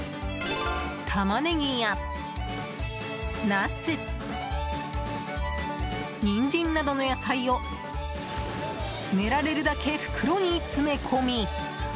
タマネギやナスニンジンなどの野菜を詰められるだけ袋に詰め込み。